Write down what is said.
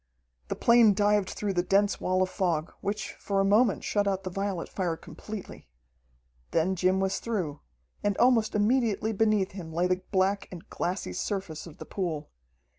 The plane dived through the dense wall of fog, which for a moment shut out the violet fire completely. Then Jim was through, and almost immediately beneath him lay the black and glassy surface of the pool.